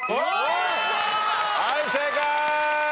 はい正解！